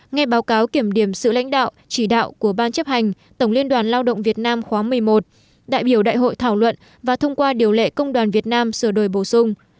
nghe báo cáo kiểm điểm sự lãnh đạo chỉ đạo của ban chấp hành tổng liên đoàn lao động việt nam khóa một mươi một đại biểu đại hội thảo luận và thông qua điều lệ công đoàn việt nam sửa đổi bổ sung